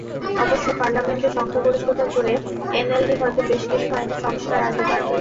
অবশ্য পার্লামেন্টে সংখ্যাগরিষ্ঠতার জোরে এনএলডি হয়তো বেশ কিছু আইনে সংস্কার আনতে পারবে।